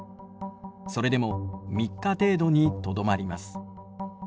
それでも３日程度にとどまります。